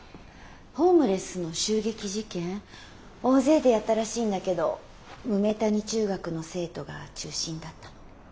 ホームレスの襲撃事件大勢でやったらしいんだけど梅谷中学の生徒が中心だったの。